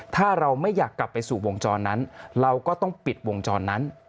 ถ้าเราไม่อยากกลับไปสู่วงจรนั้นเราก็ต้องปิดวงจรนั้น